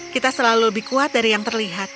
kita selalu lebih kuat dari yang terlihat